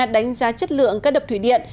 đánh giá chất lượng các đập thủy điện